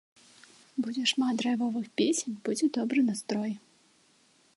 Будзе шмат драйвовых песень, будзе добры настрой!